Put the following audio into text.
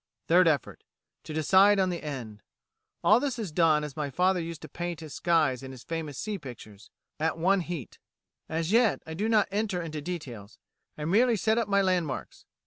Third effort: To decide on the end. All this is done as my father used to paint his skies in his famous sea pictures at one heat. As yet I do not enter into details; I merely set up my landmarks.